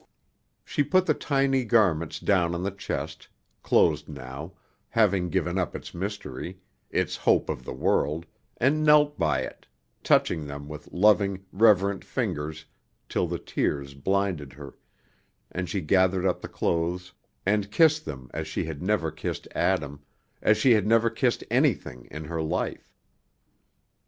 She put the tiny garments down on the chest, closed now, having given up its mystery, its hope of the world, and knelt by it, touching them with loving, reverent fingers till the tears blinded her, and she gathered up the clothes and kissed them as she had never kissed Adam, as she had never kissed anything in her life.